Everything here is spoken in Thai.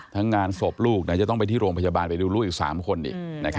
งานศพลูกจะต้องไปที่โรงพยาบาลไปดูลูกอีก๓คนอีก